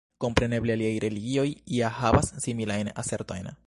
Kompreneble aliaj religioj ja havas similajn asertojn.